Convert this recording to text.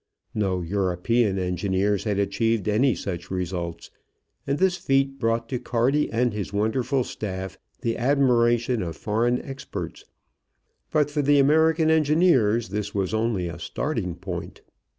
No European engineers had achieved any such results, and this feat brought to Carty and his wonderful staff the admiration of foreign experts. But for the American engineers this was only a starting point.